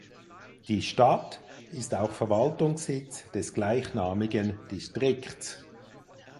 Die Stadt ist auch Verwaltungssitz des gleichnamigen Distrikts.